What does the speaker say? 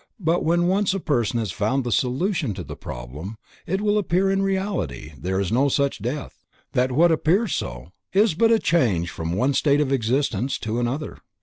But when once a person has found the solution to the problem, it will appear that in reality there is no death, that what appears so, is but a change from one state of existence to another.